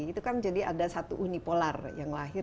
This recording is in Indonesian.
itu kan jadi ada satu uni polar yang lahir